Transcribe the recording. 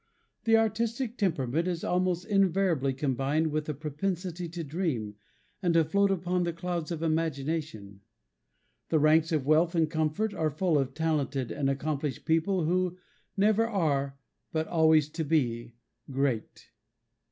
The artistic temperament is almost invariably combined with a propensity to dream, and to float upon the clouds of imagination. The ranks of wealth and comfort are full of talented and accomplished people who "never are, but always to be" great.